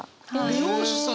理容師さん！